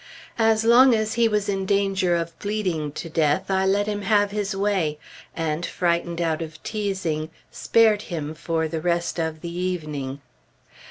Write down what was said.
As long as he was in danger of bleeding to death, I let him have his way; and, frightened out of teasing, spared him for the rest of the evening.